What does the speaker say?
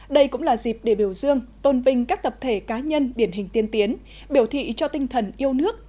đây cũng là dịp để biểu dương tôn vinh các tập thể cá nhân điển hình tiên tiến biểu thị cho tinh thần yêu nước